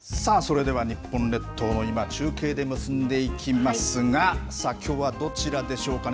さあ、それでは日本列島の今中継で結んでいきますがさあ、きょうはどちらでしょうかね。